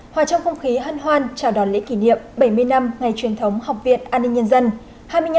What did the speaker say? hòa trong không khí hân hoan chào đón lễ kỷ niệm bảy mươi năm ngày truyền thống học viện an ninh nhân dân